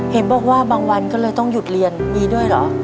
เห็นบอกว่าบางวันก็เลยต้องหยุดเรียนมีด้วยเหรอ